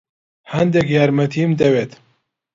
هەندێک یارمەتیم دەوێت.